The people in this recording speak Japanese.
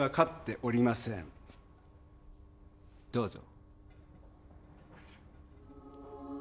どうぞ。